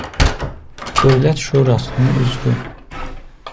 Dövlət şurasının üzvü.